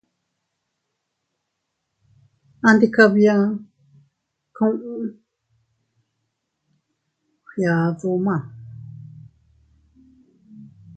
Andikabia, kuu a fgiadu ma.